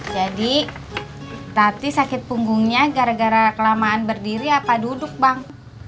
jadi tati sakit punggungnya gara gara kelamaan berdiri apa duduk bang